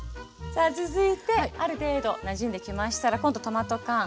続いてある程度なじんできましたら今度トマト缶。